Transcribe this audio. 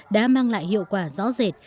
đã mang lại hiệu quả rõ rệt